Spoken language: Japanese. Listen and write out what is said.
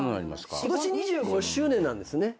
今年２５周年なんですね。